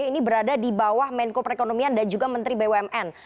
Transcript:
ini berada di bawah menko perekonomian dan juga menteri bumn